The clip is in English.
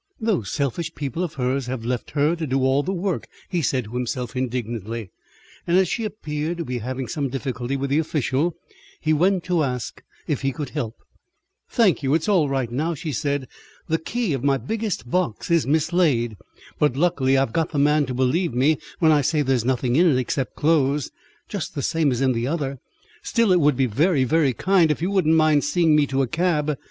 "Those selfish people of hers have left her to do all the work," he said to himself indignantly, and as she appeared to be having some difficulty with the official, he went to ask if he could help. "Thank you, it's all right now," she said. "The key of my biggest box is mislaid, but luckily I've got the man to believe me when I say there's nothing in it except clothes, just the same as in the other. Still it would be very, very kind if you wouldn't mind seeing me to a cab.